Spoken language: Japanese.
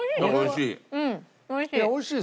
おいしい。